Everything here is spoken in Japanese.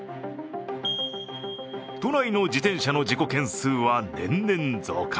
都内の自転車の事故件数は年々増加。